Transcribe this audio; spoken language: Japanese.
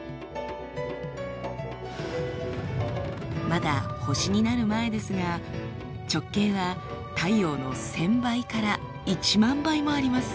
まだ星になる前ですが直径は太陽の１，０００倍から１万倍もあります。